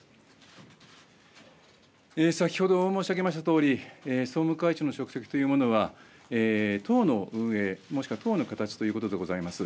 先ほど申し上げましたとおり総務会長の職責というものは党の運営もしくは党の形ということでございます。